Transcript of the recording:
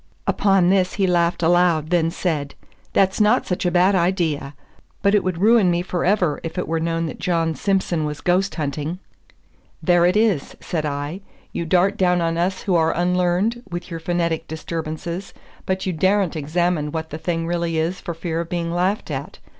Upon this he laughed aloud, then said, "That's not such a bad idea; but it would ruin me forever if it were known that John Simson was ghost hunting." "There it is," said I; "you dart down on us who are unlearned with your phonetic disturbances, but you daren't examine what the thing really is for fear of being laughed at.